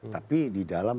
tapi di dalam